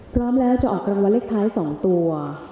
พร้อมแล้วจะออกรางวัลเลขท้าย๒ตัว